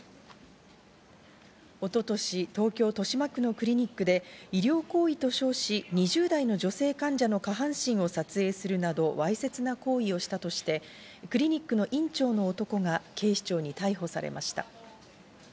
一昨年、東京・豊島区のクリニックで、医療行為と称し、２０代の女性患者の下半身を撮影するなど、わいせつな行為をしたとして、クリニックの院長の男が警視庁に逮捕されました。